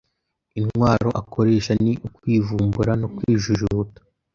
Intwaro akoresha ni ukwivumbura no kwijujuta